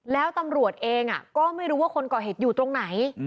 แล้วตำรวจเองก็ไม่รู้ว่าคนก่อเหตุอยู่ตรงไหน